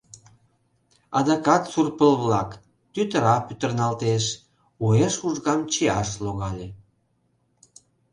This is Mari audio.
Адакат сур пыл-влак, тӱтыра пӱтырналтеш, уэш ужгам чияш логале...